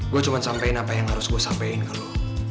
gue cuma sampein apa yang harus gue sampein kalau